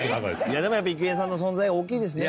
いやでもやっぱ郁恵さんの存在が大きいですね